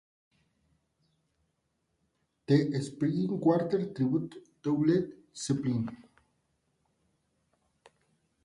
Su primer lanzamiento fue "The String Quartet Tribute to Led Zeppelin".